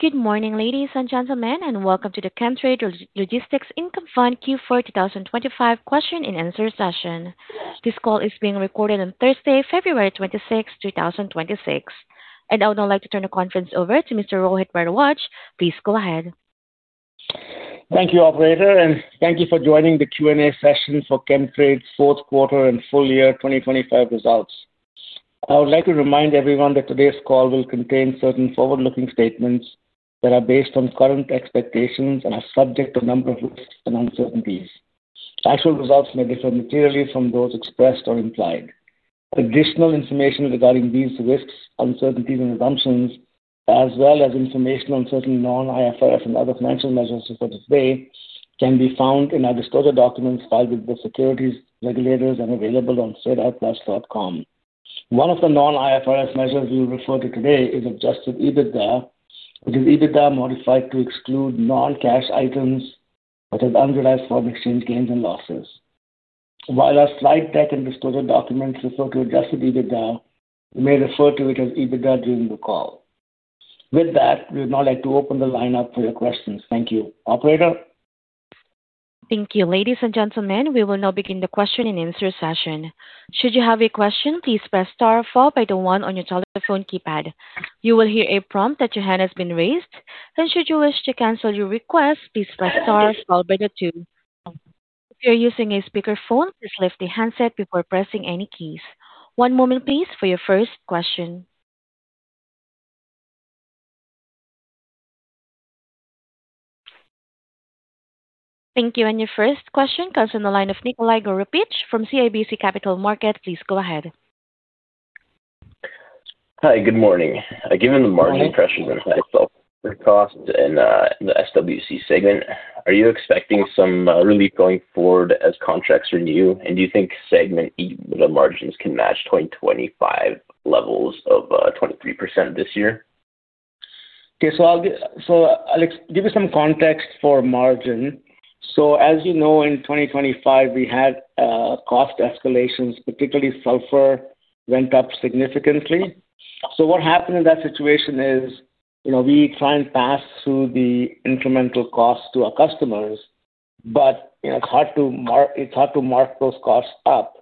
Good morning, ladies and gentlemen, and welcome to the Chemtrade Logistics Income Fund Q4 2025 question and answer session. This call is being recorded on Thursday, February 26, 2026. I'd now like to turn the conference over to Mr. Rohit Bhardwaj. Please go ahead. Thank you, operator, thank you for joining the Q&A session for Chemtrade's fourth quarter and full year 2025 results. I would like to remind everyone that today's call will contain certain forward-looking statements that are based on current expectations and are subject to a number of risks and uncertainties. Actual results may differ materially from those expressed or implied. Additional information regarding these risks, uncertainties, and assumptions, as well as information on certain non-IFRS and other financial measures for today, can be found in our disclosure documents filed with the securities regulators and available on sedarplus.com. One of the non-IFRS measures we refer to today is adjusted EBITDA, which is EBITDA modified to exclude non-cash items, such as unrealized foreign exchange gains and losses. While our slide deck and disclosure documents refer to adjusted EBITDA, we may refer to it as EBITDA during the call. With that, we would now like to open the line up for your questions. Thank you. Operator? Thank you. Ladies and gentlemen, we will now begin the question-and-answer session. Should you have a question, please press star four followed by one on your telephone keypad. You will hear a prompt that your hand has been raised, and should you wish to cancel your request, please press star followed by two. If you're using a speakerphone, please lift the handset before pressing any keys. One moment please for your first question. Thank you. Your first question comes from the line of Nikolai Goropich from CIBC Capital Markets. Please go ahead. Hi, good morning. Given the margin pressures and costs in the SWC segment, are you expecting some relief going forward as contracts renew? Do you think segment E, the margins can match 2025 levels of 23% this year? Okay. I'll give you some context for margin. As you know, in 2025, we had cost escalations, particularly sulphur went up significantly. What happened in that situation is, you know, we try and pass through the incremental cost to our customers, but, you know, it's hard to mark those costs up.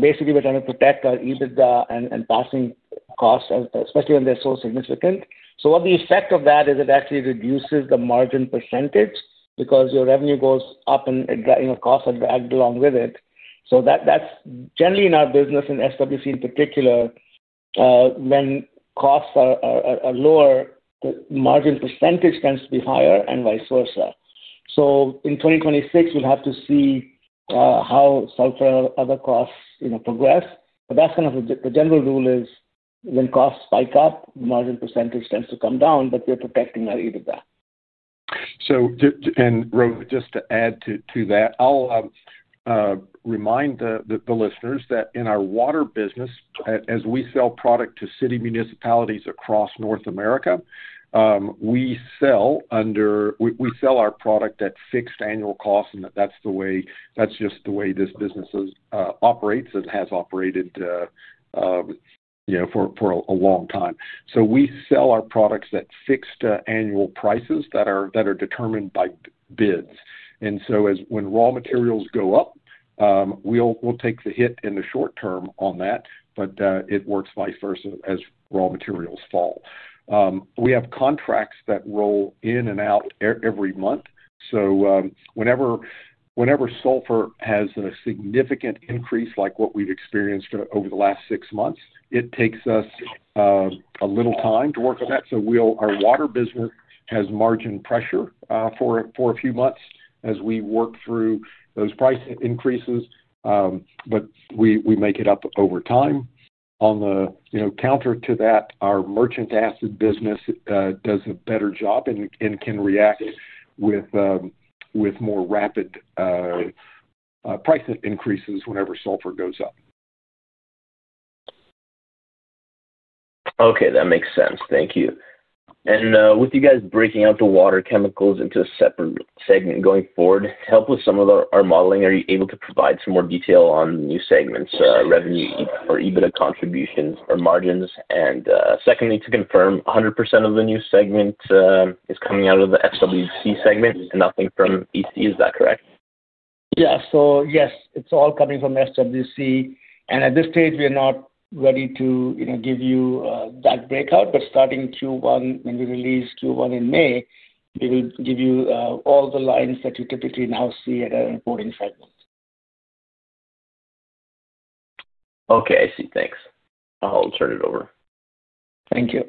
Basically, we're trying to protect our EBITDA and passing costs, especially when they're so significant. What the effect of that is, it actually reduces the margin percentage because your revenue goes up and, you know, costs are dragged along with it. That's generally in our business, in SWC in particular, when costs are lower, the margin percentage tends to be higher and vice versa. In 2026, we'll have to see how sulphur other costs, you know, progress. That's kind of the general rule is when costs spike up, the margin percent tends to come down, but we're protecting our EBITDA. Rohit, just to add to that, I'll remind the listeners that in our water business, as we sell product to city municipalities across North America, we sell our product at fixed annual costs, and that's the way, that's just the way this business operates and has operated, you know, for a long time. We sell our products at fixed annual prices that are determined by bids. As when raw materials go up, we'll take the hit in the short term on that, but it works vice versa as raw materials fall. We have contracts that roll in and out every month. whenever sulphur has a significant increase, like what we've experienced over the last 6 months, it takes us a little time to work on that. Our water business has margin pressure for a few months as we work through those price increases, but we make it up over time. On the, you know, counter to that, our Merchant Acid business does a better job and can react with more rapid price increases whenever sulphur goes up. Okay, that makes sense. Thank you. With you guys breaking out the water chemicals into a separate segment going forward, help with some of our modeling, are you able to provide some more detail on new segments revenue or EBITDA contributions or margins? Secondly, to confirm, 100% of the new segment is coming out of the SWC segment and nothing from EC, is that correct? Yeah. Yes, it's all coming from SWC. At this stage, we are not ready to, you know, give you that breakout. Starting Q1, when we release Q1 in May, we will give you all the lines that you typically now see at our reporting segments. Okay, I see. Thanks. I'll turn it over. Thank you.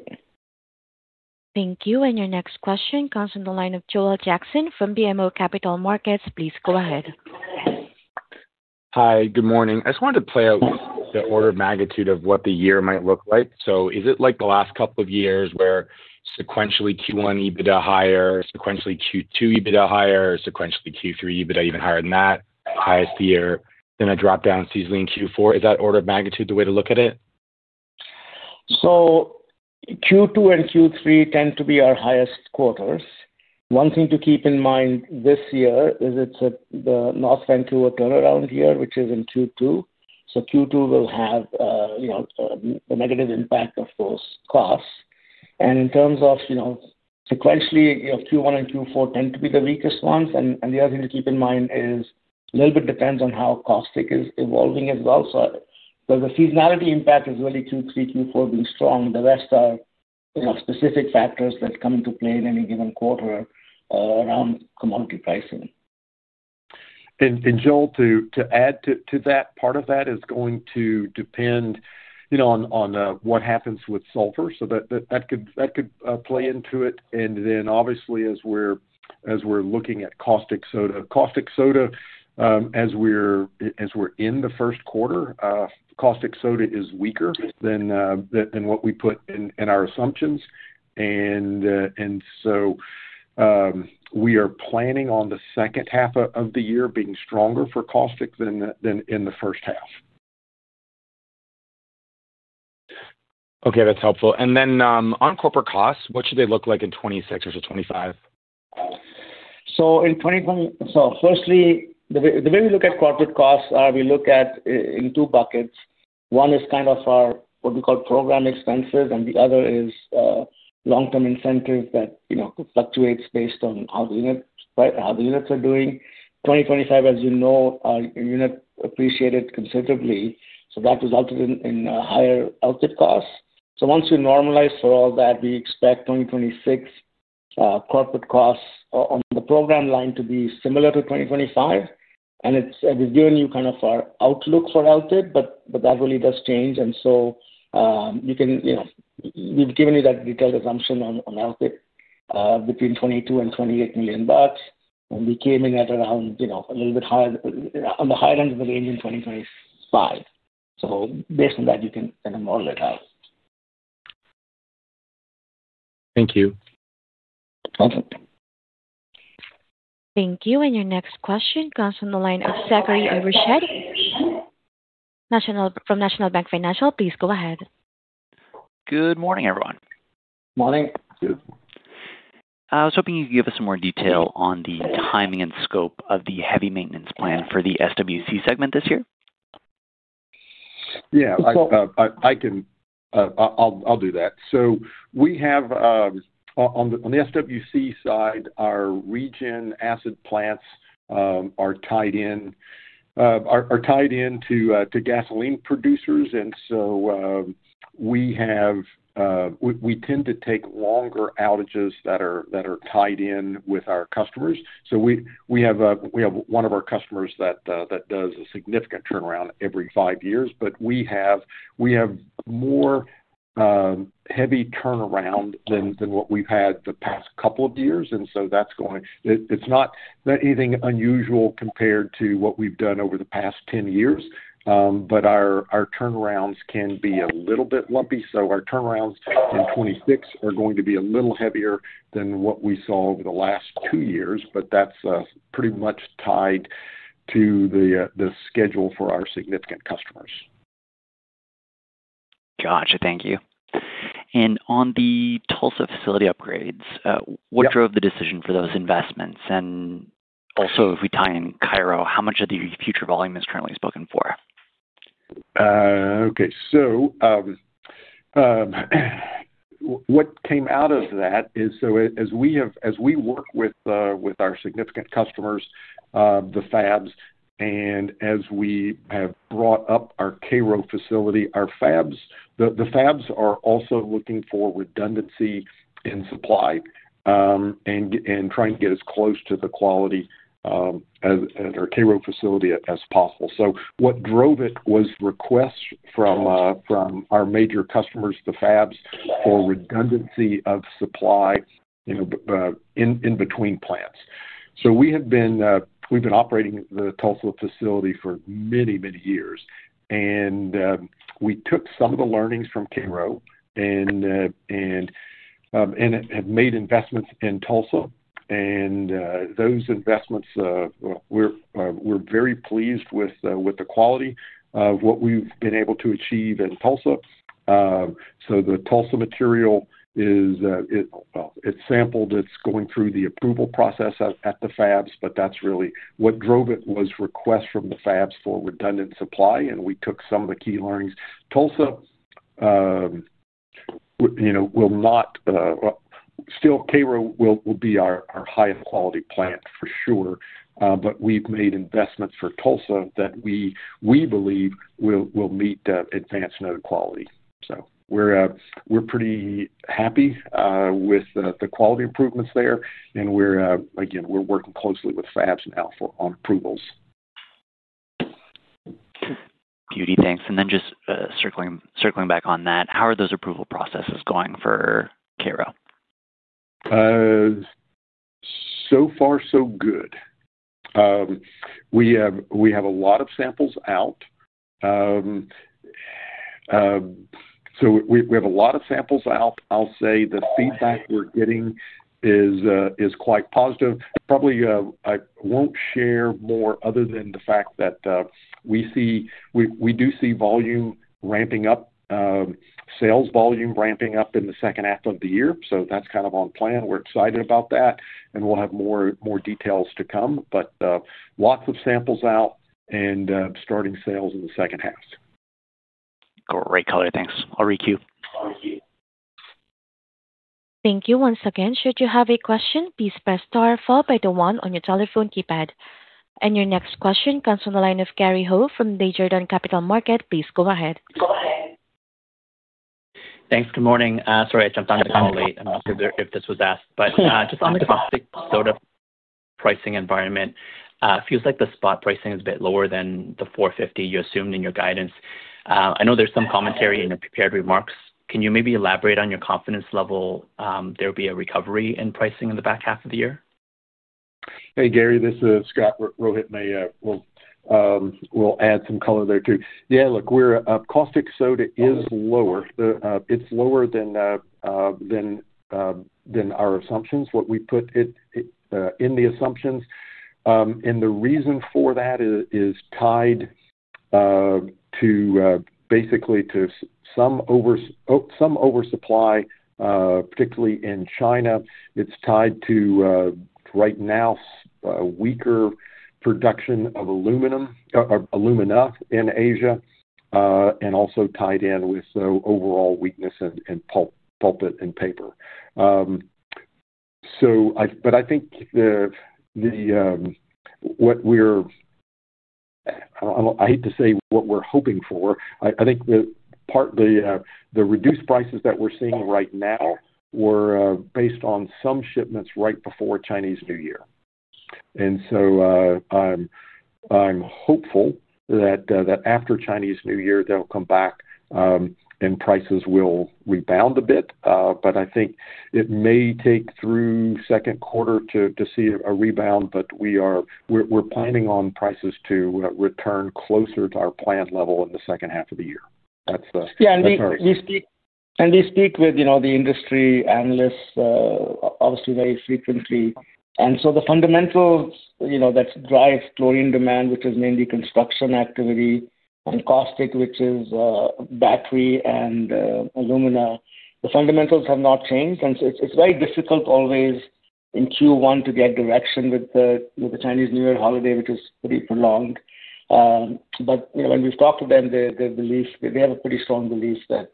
Thank you. Your next question comes from the line of Joel Jackson from BMO Capital Markets. Please go ahead. Hi, good morning. I just wanted to play out the order of magnitude of what the year might look like. Is it like the last couple of years where sequentially Q1 EBITDA higher, sequentially Q2 EBITDA higher, sequentially Q3 EBITDA even higher than that, highest year, then a drop-down seasoning Q4? Is that order of magnitude the way to look at it? Q2 and Q3 tend to be our highest quarters. One thing to keep in mind this year is it's the North Vancouver turnaround year, which is in Q2. Q2 will have the negative impact of those costs. In terms of sequentially, Q1 and Q4 tend to be the weakest ones. The other thing to keep in mind is a little bit depends on how caustic is evolving as well. The seasonality impact is really Q3, Q4 being strong. The rest are specific factors that come into play in any given quarter around commodity pricing. Joel, to add to that, part of that is going to depend, you know, on what happens with sulphur. That could play into it. Then obviously, as we're looking at caustic soda. Caustic soda, as we're in the first quarter, caustic soda is weaker than what we put in our assumptions. We are planning on the second half of the year being stronger for caustic than in the first half. Okay, that's helpful. On corporate costs, what should they look like in 2026 versus 2025? Firstly, the way we look at corporate costs are we look at in two buckets. One is kind of our, what we call program expenses, and the other is long-term incentives that, you know, fluctuates based on how the units are doing. 2025, as you know, our unit appreciated considerably, that resulted in higher outage costs. Once we normalize for all that, we expect 2026 corporate costs on the program line to be similar to 2025. It's, we've given you kind of our outlook for outage, but that really does change. You can, you know, we've given you that detailed assumption on outage, between 22 million-28 million bucks, and we came in at around, you know, a little bit higher, on the higher end of the range in 2025. Based on that, you can kind of model it out. Thank you. Welcome. Thank you. Your next question comes from the line of Zachary Evershed. From National Bank Financial. Please go ahead. Good morning, everyone. Morning. Good. I was hoping you could give us some more detail on the timing and scope of the heavy maintenance plan for the SWC segment this year. I can I'll do that. We have on the SWC side, our Regen acid plants are tied in to gasoline producers. We have we tend to take longer outages that are tied in with our customers. We have one of our customers that does a significant turnaround every five years. We have more heavy turnaround than what we've had the past couple of years. It's not anything unusual compared to what we've done over the past 10 years. Our turnarounds can be a little bit lumpy, so our turnarounds in 2026 are going to be a little heavier than what we saw over the last 2 years, but that's pretty much tied to the schedule for our significant customers. Gotcha. Thank you. On the Tulsa facility upgrades. Yeah. What drove the decision for those investments? Also, if we tie in Cairo, how much of the future volume is currently spoken for? Okay. What came out of that is, as we work with our significant customers, the fabs, and as we have brought up our Cairo facility, our fabs, the fabs are also looking for redundancy in supply, and trying to get as close to the quality at our Cairo facility as possible. What drove it was requests from our major customers, the fabs, for redundancy of supply, you know, in between plants. We have been, we've been operating the Tulsa facility for many, many years. We took some of the learnings from Cairo and have made investments in Tulsa. Those investments, we're very pleased with the quality of what we've been able to achieve in Tulsa. The Tulsa material is, well, it's sampled, it's going through the approval process at the fabs, but that's really what drove it, was requests from the fabs for redundant supply, and we took some of the key learnings. Tulsa, you know, will not. Still, Cairo will be our highest quality plant for sure, but we've made investments for Tulsa that we believe will meet advanced node quality. We're pretty happy with the quality improvements there, and we're again, we're working closely with fabs now on approvals. Beauty. Thanks. Then just, circling back on that, how are those approval processes going for Cairo? So far so good. We have a lot of samples out. So we have a lot of samples out. I'll say the feedback we're getting is quite positive. Probably, I won't share more other than the fact that we do see volume ramping up, sales volume ramping up in the second half of the year. That's kind of on plan. We're excited about that, and we'll have more details to come. Lots of samples out. Starting sales in the second half. Great color. Thanks. I'll requeue. All right. Thank you once again. Should you have a question, please press star followed by the one on your telephone keypad. Your next question comes from the line of Gary Ho from the Desjardins Capital Markets. Please go ahead. Go ahead. Thanks. Good morning. Sorry, I jumped on the call late, and I'm not sure if this was asked, but just on the caustic soda pricing environment, feels like the spot pricing is a bit lower than the $450 you assumed in your guidance. I know there's some commentary in the prepared remarks. Can you maybe elaborate on your confidence level, there'll be a recovery in pricing in the back half of the year? Hey, Gary, this is Scott. Rohit may will add some color there, too. Yeah, look, we're caustic soda is lower. It's lower than than than our assumptions, what we put it in the assumptions. The reason for that is tied to basically to some oversupply, particularly in China. It's tied to right now, a weaker production of aluminum in Asia, and also tied in with the overall weakness in pulp and paper. I... But I think the what we're, I hate to say what we're hoping for. I think the part the reduced prices that we're seeing right now were based on some shipments right before Chinese New Year. I'm hopeful that after Chinese New Year, they'll come back, and prices will rebound a bit. I think it may take through second quarter to see a rebound, we're planning on prices to return closer to our planned level in the second half of the year. Yeah, we speak, and we speak with, you know, the industry analysts, obviously very frequently. The fundamentals, you know, that drive chlorine demand, which is mainly construction activity, and caustic, which is, battery and, alumina. The fundamentals have not changed, and so it's very difficult always in Q1 to get direction with the Chinese New Year holiday, which is pretty prolonged. You know, when we've talked to them, the belief, they have a pretty strong belief that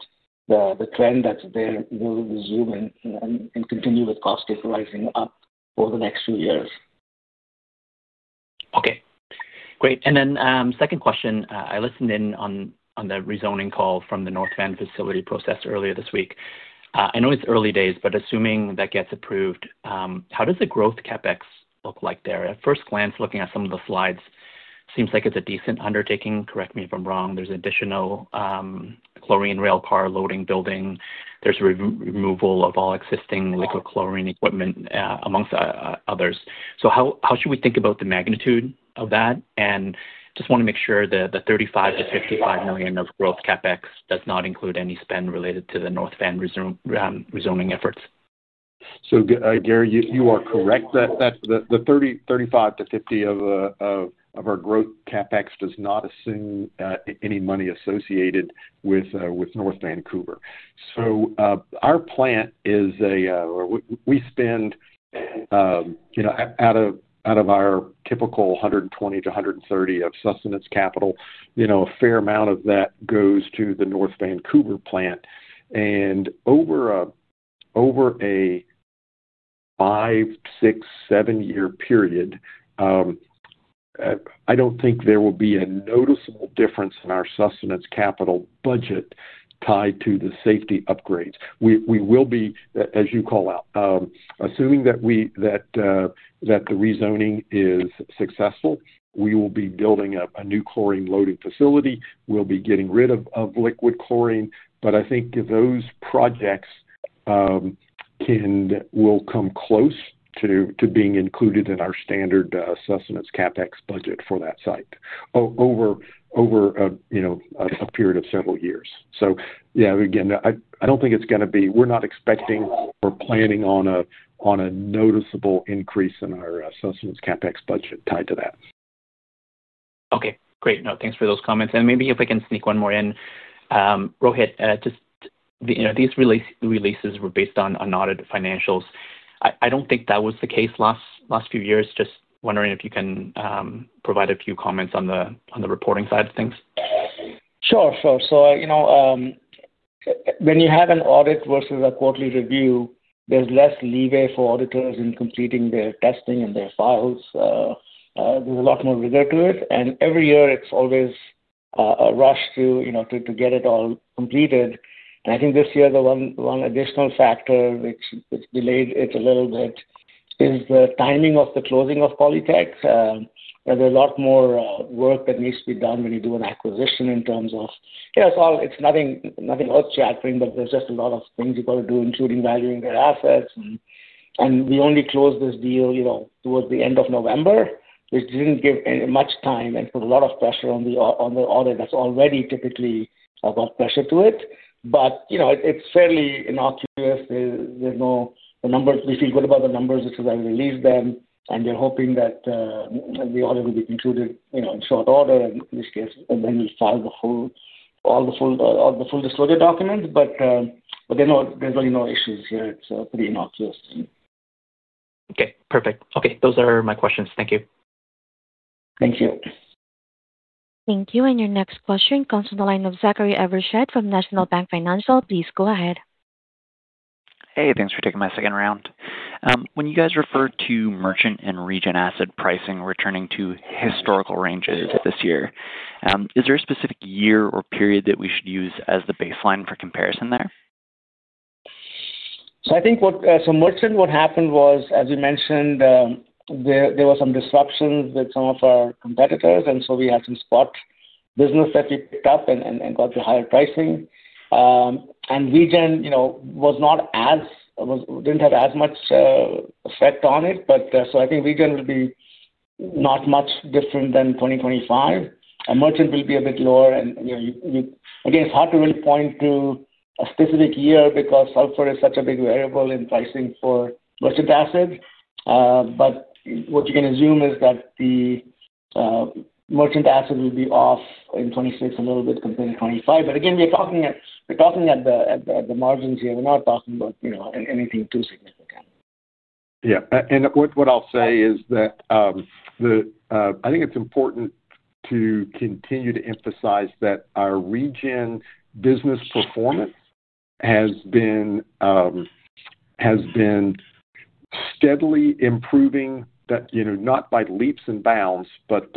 the trend that's there will resume and continue with caustic rising up over the next few years. Okay, great. Second question, I listened in on the rezoning call from the North Van facility process earlier this week. I know it's early days, but assuming that gets approved, how does the growth CapEx look like there? At first glance, looking at some of the slides, seems like it's a decent undertaking. Correct me if I'm wrong. There's additional Chlorine rail car loading building. There's re-removal of all existing liquid chlorine equipment, amongst others. How should we think about the magnitude of that? Just want to make sure the 35 million-55 million of growth CapEx does not include any spend related to the North Van rezone, rezoning efforts. Gary, you are correct. That the 30, 35 to 50 of our growth CapEx does not assume any money associated with North Vancouver. Our plant is a, we spend, you know, out of our typical 120 to 130 of sustenance capital, you know, a fair amount of that goes to the North Vancouver plant. Over a five, six, seven-year period, I don't think there will be a noticeable difference in our sustenance capital budget tied to the safety upgrades. We will be, as you call out, assuming that we, that the rezoning is successful, we will be building up a new chlorine loading facility. We'll be getting rid of liquid chlorine. I think those projects will come close to being included in our standard sustenance CapEx budget for that site over a, you know, a period of several years. Yeah, again, I don't think it's gonna be. We're not expecting or planning on a noticeable increase in our sustenance CapEx budget tied to that. Okay, great. Now, thanks for those comments. Maybe if I can sneak one more in. Rohit, just, you know, these releases were based on unaudited financials. I don't think that was the case last few years. Just wondering if you can provide a few comments on the, on the reporting side of things? Sure, sure. You know, when you have an audit versus a quarterly review, there's less leeway for auditors in completing their testing and their files. There's a lot more rigor to it, and every year it's always a rush to, you know, to get it all completed. I think this year, the one additional factor which delayed it a little bit, is the timing of the closing of Poly-tech. There's a lot more work that needs to be done when you do an acquisition in terms of... Yeah, it's all, it's nothing earth-shattering, but there's just a lot of things you got to do, including valuing their assets. We only closed this deal, you know, towards the end of November, which didn't give any, much time and put a lot of pressure on the audit that's already typically a lot of pressure to it. You know, it's fairly innocuous. There's no. The numbers, we feel good about the numbers, which is why we released them, and we're hoping that the audit will be concluded, you know, in short order. In this case, we'll file the whole, all the full disclosure documents. There's really no issues here. It's pretty innocuous. Okay, perfect. Okay, those are my questions. Thank you. Thank you. Thank you. Your next question comes from the line of Zachary Evershed from National Bank Financial. Please go ahead. Hey, thanks for taking my second round. When you guys refer to Merchant and Regen acid pricing returning to historical ranges this year, is there a specific year or period that we should use as the baseline for comparison there? I think what, so Merchant, what happened was, as you mentioned, there were some disruptions with some of our competitors, and so we had some spot business that we picked up and got to higher pricing. Regen, you know, was not as, didn't have as much effect on it, but I think Regen will be not much different than 2025. Merchant will be a bit lower, and, you know, again, it's hard to really point to a specific year because sulphur is such a big variable in pricing for Merchant Acid. What you can assume is that the Merchant Acid will be off in 2026 a little bit compared to 2025. Again, we're talking at the margins here. We're not talking about, you know, anything too significant. What I'll say is that, I think it's important to continue to emphasize that our Regen business performance has been steadily improving, that, you know, not by leaps and bounds, but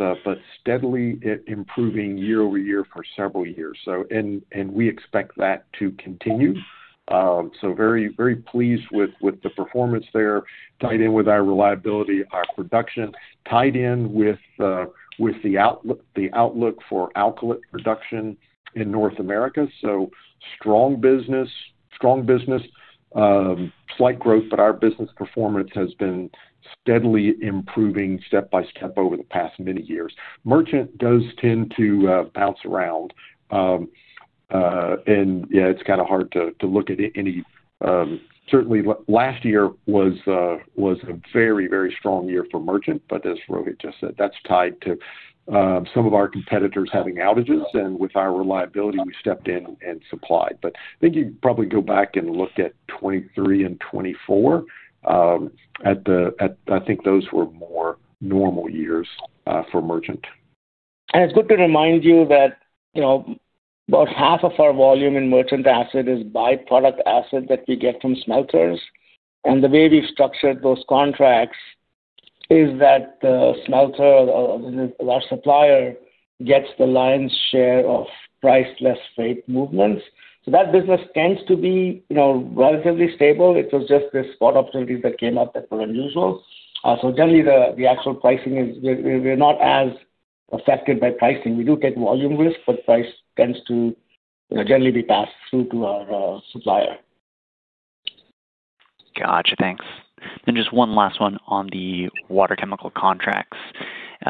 steadily improving year-over-year for several years. We expect that to continue. Very pleased with the performance there, tied in with our reliability, our production, tied in with the outlook for chlor-alkali production in North America. Strong business, slight growth, but our business performance has been steadily improving step by step over the past many years. Merchant does tend to bounce around. It's kind of hard to look at any. Certainly, last year was a very strong year for Merchant, as Rohit just said, that's tied to some of our competitors having outages, and with our reliability, we stepped in and supplied. I think you'd probably go back and look at 2023 and 2024, at I think those were more normal years for Merchant. It's good to remind you that, you know, about half of our volume in Merchant Acid is byproduct acid that we get from smelters. The way we've structured those contracts is that the smelter or our supplier gets the lion's share of price less freight movements. That business tends to be, you know, relatively stable. It was just the spot opportunities that came up that were unusual. Generally, the actual pricing is, we're not as affected by pricing. We do get volume risk, but price tends to, you know, generally be passed through to our supplier. Gotcha. Thanks. Just one last one on the water chemical contracts.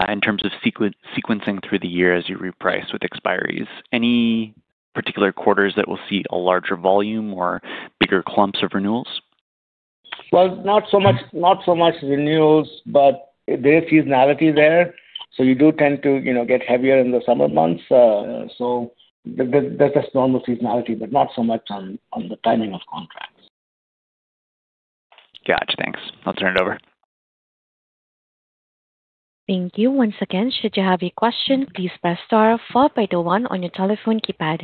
In terms of sequencing through the year as you reprice with expiries, any particular quarters that will see a larger volume or bigger clumps of renewals? Well, not so much, not so much renewals, but there is seasonality there, so you do tend to, you know, get heavier in the summer months. That's just normal seasonality, but not so much on the timing of contracts. Gotcha. Thanks. I'll turn it over. Thank you. Once again, should you have a question, please press star followed by the one on your telephone keypad.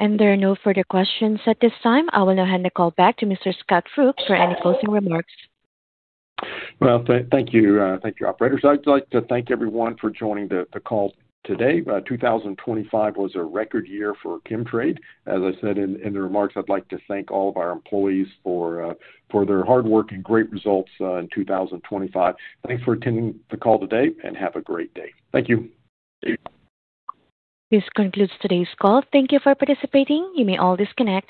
There are no further questions at this time. I will now hand the call back to Mr. Scott Rook for any closing remarks. Well, thank you. Thank you, operator. I'd like to thank everyone for joining the call today. 2025 was a record year for Chemtrade. As I said in the remarks, I'd like to thank all of our employees for their hard work and great results in 2025. Thanks for attending the call today, and have a great day. Thank you. This concludes today's call. Thank you for participating. You may all disconnect.